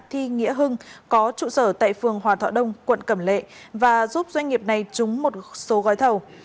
thi nghĩa hưng có trụ sở tại phường hòa thọ đông quận cẩm lệ và giúp doanh nghiệp này trúng một số gói thầu